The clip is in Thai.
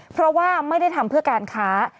เพราะว่าไม่ได้ทำเพื่อการค้า